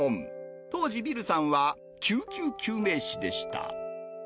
当時、ビルさんは救急救命士でした。